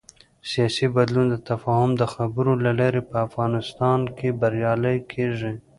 سیاسي بدلون د تفاهم او خبرو له لارې په افغانستان کې بریالی کېږي